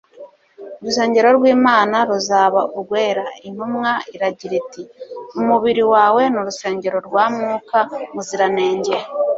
urusengero rw'imana ruzaba urwera. intumwa iragira iti, umubiri wawe ni urusengero rwa mwuka muziranenge